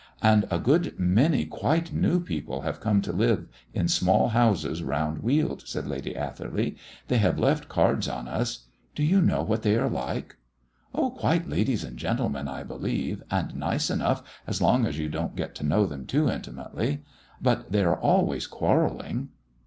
"And a good many quite new people have come to live in small houses round Weald," said Lady Atherley. "They have left cards on us. Do you know what they are like?" "Quite ladies and gentlemen, I believe, and nice enough as long as you don't get to know them too intimately; but they are always quarrelling."